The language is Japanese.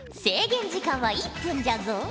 制限時間は１分じゃぞ。